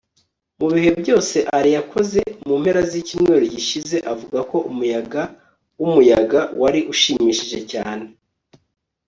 mu bintu byose alain yakoze mu mpera zicyumweru gishize, avuga ko umuyaga w'umuyaga wari ushimishije cyane